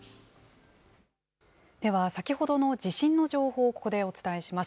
では先ほどの地震の情報を、ここでお伝えします。